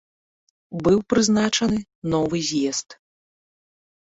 Быў прызначаны новы з'езд.